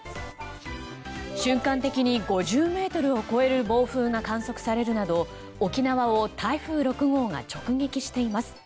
瞬間的に５０メートルを超える暴風が観測されるなど沖縄を台風６号が直撃しています。